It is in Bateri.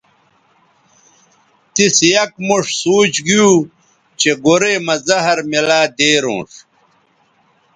تِس یک موݜ سوچ گیو چہء گورئ مہ زہر میلہ دیرونݜ